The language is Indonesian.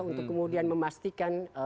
untuk kemudian memastikan